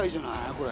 これ。